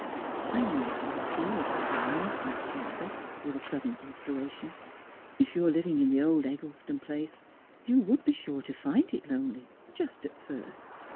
I know how it feels to be — lonesome," she added, with a sudden inspiration. "■ If you are living in the old Eggleston place you would be sure to find it lonely — just at first.